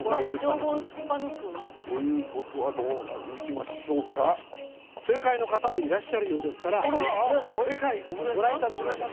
情報をすっぱ抜くということはいきましょうか正解の方もいらっしゃるようですから正解ご覧いただきましょう